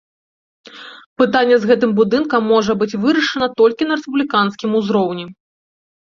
Пытанне з гэтым будынкам можа быць вырашана толькі на рэспубліканскім узроўні.